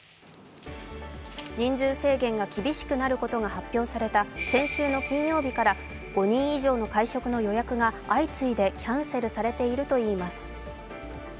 人数制限が厳しくなることが発表された先週の金曜日から５人以上の会食の予約が相次いでキャンセルされているといいます。